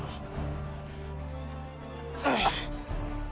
menurut saya gusti